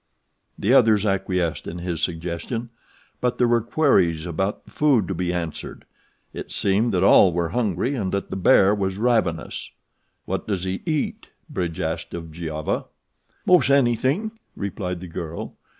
The others acquiesced in his suggestion; but there were queries about food to be answered. It seemed that all were hungry and that the bear was ravenous. "What does he eat?" Bridge asked of Giova. "Mos' anything," replied the girl.